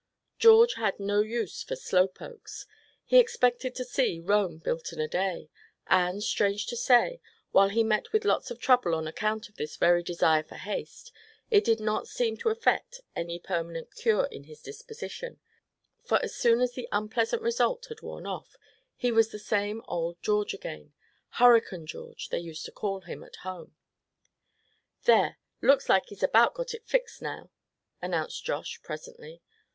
George had no use for "slow pokes." He expected to see Rome built in a day, and strange to say, while he met with lots of trouble on account of this very desire for haste, it did not seem to effect any permanent cure in his disposition; for as soon as the unpleasant result had worn off, he was the same old George again, Hurricane George, they used to call him at home. "There, looks like he's about got it fixed now," announced Josh, presently.